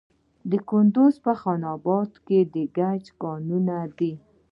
د کندز په خان اباد کې د ګچ کانونه دي.